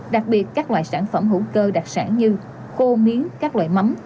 đặc biệt các loại sản phẩm hữu cơ đặc sản như khô miến các loại mắm